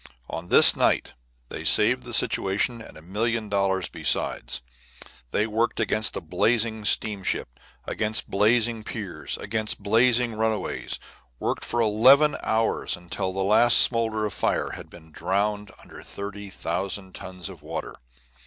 On this night they saved the situation and a million dollars besides; they worked against a blazing steamship, against blazing piers, against blazing runaways; worked for eleven hours, until the last smolder of fire had been drowned under thirty thousand tons of water.